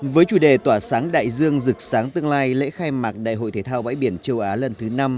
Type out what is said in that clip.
với chủ đề tỏa sáng đại dương rực sáng tương lai lễ khai mạc đại hội thể thao bãi biển châu á lần thứ năm